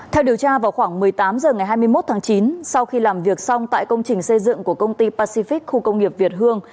theo điều tra vào khoảng một mươi tám h ngày hai mươi một tháng chín sau khi làm việc xong tại công trình xây dựng của công ty pacific khu công nghiệp việt hương